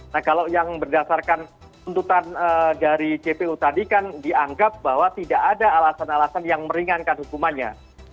nah kalau yang berdasarkan tuntutan dari jpu tadi kan dianggap bahwa tidak ada alasan alasan yang meringankan hukumannya